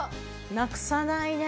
なくさないね。